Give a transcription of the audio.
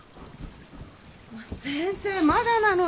先生まだなのよ。